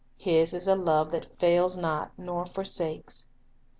His is a love that fails not nor forsakes.